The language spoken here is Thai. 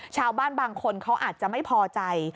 ชาวบ้านบางคนเขาอาจจะไม่พอใจ